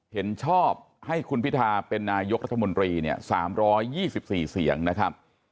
เห็นชอบให้คุณพิทาเป็นนายกรัฐมนตรีเนี่ย๓๒๔เสียงนะครับ